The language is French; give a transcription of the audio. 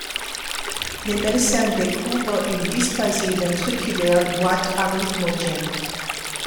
Les médecins découvrent une dysplasie ventriculaire droite arythmogène.